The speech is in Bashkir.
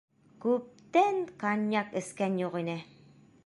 Күптән коньяк эскән юҡ ине!